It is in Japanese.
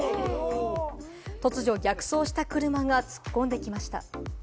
突如、逆走した車が突っ込んできました。